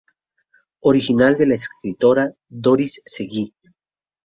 Original de la escritora Doris Seguí.